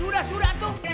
sudah sudah antum